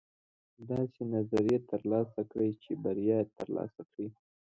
داسې نظریې ترلاسه کړئ چې بریا ترلاسه کړئ.